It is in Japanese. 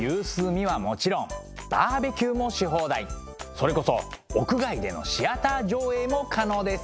それこそ屋外でのシアター上映も可能です。